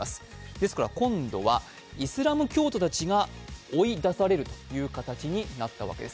ですから今度はイスラム教徒たちが追い出されるという形になったわけです。